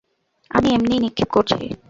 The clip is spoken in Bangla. আমি এমনিই নিক্ষেপ করছি।